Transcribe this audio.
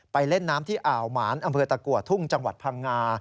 เล่นน้ำที่อ่าวหมานอำเภอตะกัวทุ่งจังหวัดพังงา